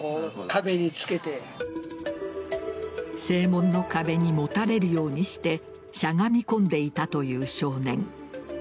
正門の壁にもたれるようにしてしゃがみ込んでいたという少年。